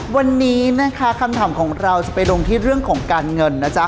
วันนี้นะคะคำถามของเราจะไปลงที่เรื่องของการเงินนะจ๊ะ